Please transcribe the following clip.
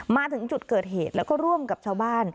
มาถึงจุดเกิดเหตุแล้วก็ร่วมกับชาวบ้าน